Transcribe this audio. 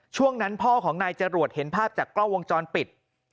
ช่วงนั้นพ่อของนายจรวดเห็นภาพจากกล้องวงจรปิด